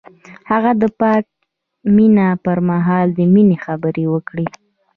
هغه د پاک مینه پر مهال د مینې خبرې وکړې.